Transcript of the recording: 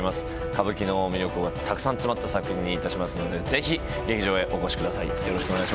歌舞伎の魅力がたくさん詰まった作品にいたしますのでぜひ劇場へお越しください。